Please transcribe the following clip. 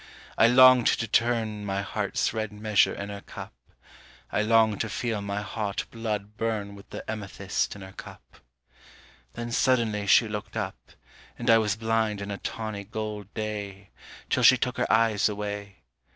I longed to turn My heart's red measure in her cup, I longed to feel my hot blood burn With the amethyst in her cup. Then suddenly she looked up, And I was blind in a tawny gold day, Till she took her eyes away.